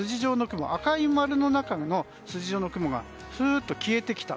赤い丸の中の筋状の雲がスーッと消えてきた。